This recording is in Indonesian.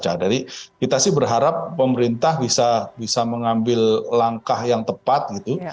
jadi kita sih berharap pemerintah bisa bisa mengambil langkah yang tepat gitu